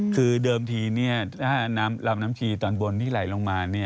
คือเดิมทีถ้ารำชีตอนบนที่ไหลลงมา